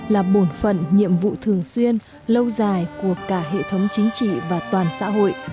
là bổn phận nhiệm vụ thường xuyên lâu dài của cả hệ thống chính trị và toàn xã hội